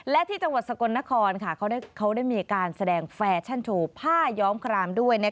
และที่จังหวัดสกลนครเขาได้มีการแสดงแฟชั่นโชว์ผ้าย้อมครามด้วย